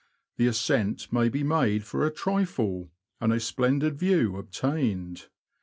The ascent may be made for a trifle, and a splendid view obtained.